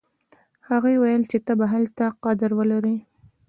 هغې ویل چې ته به هلته قدر ولرې